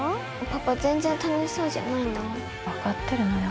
パパ全然楽しそうじゃないんだもん分かってるのよ